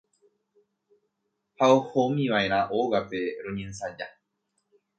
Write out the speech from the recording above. ha ohomiva'erã ógape roñensaja.